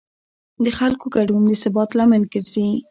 د خلکو ګډون د ثبات لامل ګرځي